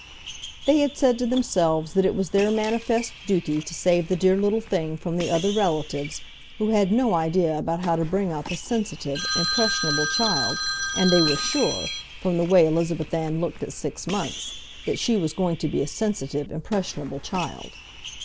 They had said to themselves that it was their manifest duty to save the dear little thing from the other relatives, who had no idea about how to bring up a sensitive, impressionable child, and they were sure, from the way Elizabeth Ann looked at six months, that she was going to be a sensitive, impressionable child.